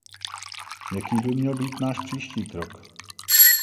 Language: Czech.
Jaký by měl být náš příští krok?